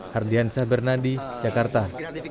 hardian sabernadi jakarta